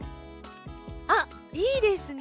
あっいいですね。